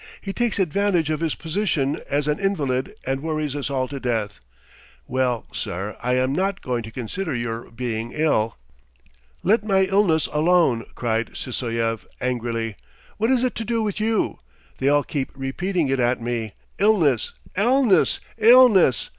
"He takes advantage of his position as an invalid and worries us all to death. Well, sir, I am not going to consider your being ill." "Let my illness alone!" cried Sysoev, angrily. "What is it to do with you? They all keep repeating it at me: illness! illness! illness!